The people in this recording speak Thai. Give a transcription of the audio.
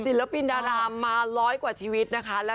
ศิลปินดารามาร้อยกว่าชีวิตนะคะ